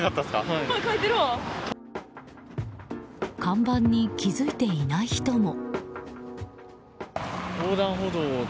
看板に気づいていない人も。